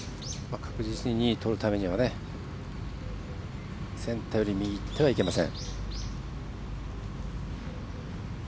確実に２位を取るためにはセンターより右にいってはいけません。